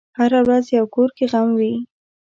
هره ورځ یو کور کې غم وي.